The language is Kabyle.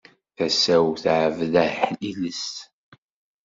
Tasa-w tɛebbed aḥliles.